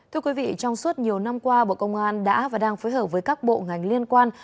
thưa quý vị trong suốt nhiều năm qua bộ công an đã và đang phối hợp với các bộ ngành liên quan